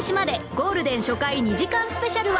ゴールデン初回２時間スペシャルは